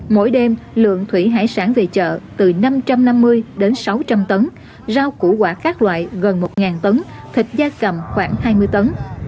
mỗi đêm lượng thủy hải sản về chợ từ năm trăm năm mươi đến sáu trăm linh tấn rau củ quả các loại gần một tấn thịt da cầm khoảng hai mươi tấn